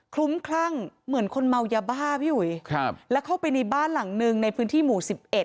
คลุ้มคลั่งเหมือนคนเมายาบ้าพี่หุยแล้วเข้าไปในบ้านหลังนึงในพื้นที่หมู่๑๑